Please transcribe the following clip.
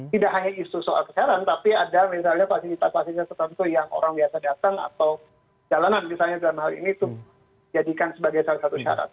tidak hanya isu soal kesehatan tapi ada misalnya fasilitas fasilitas tertentu yang orang biasa datang atau jalanan misalnya dalam hal ini itu jadikan sebagai salah satu syarat